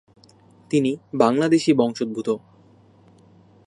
তিনি বাংলাদেশী বংশোদ্ভূত।